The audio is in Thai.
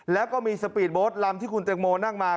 แล้วก็มีสปีดโบสต์ลำที่คุณแตงโมนั่งมา